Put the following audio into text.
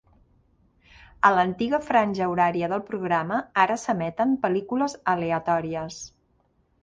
A l'antiga franja horària del programa ara s'emeten pel·lícules aleatòries.